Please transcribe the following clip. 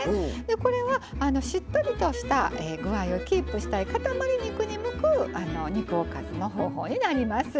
これはしっとりとした具合をキープしたい塊肉に向く肉おかずの方法になります。